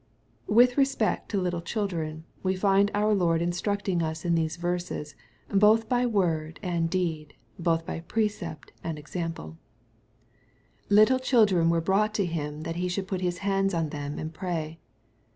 With respect to little children, we find our Lord in structing us in these verses, both by word and deed, both by precept and example, "Little children were brought to him, that he should put his hands on them and pary."